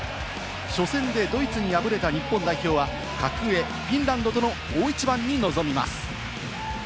初戦でドイツに敗れた日本代表は格上・フィンランドとの大一番に臨みます。